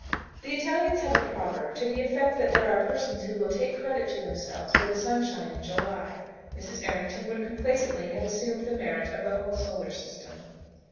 The Italians have a proverb, to the effect that there are persons who will take credit to themselves for the sunshine in July. Mrs. Errington would complacently have assumed the merit of the whole solar system.